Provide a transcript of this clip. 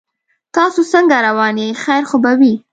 تاسو څنګه روان یې خیر خو به وي